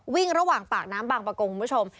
วิ่งระหว่างปากน้ำบางประกงคุณผู้ชม